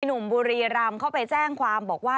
หนุ่มบุรีรำเข้าไปแจ้งความบอกว่า